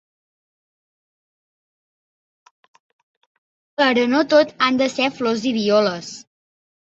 Però no tot han de ser flors i violes.